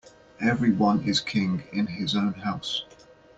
Every one is king in his own house.